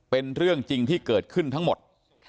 เป็นเรื่องจริงที่เกิดขึ้นทั้งหมด